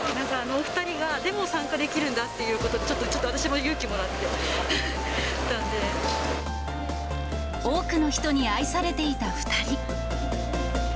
あのお２人でも参加できるんだって、ちょっと私も勇気もらっ多くの人に愛されていた２人。